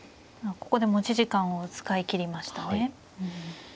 ここで持ち時間を使い切りましたね。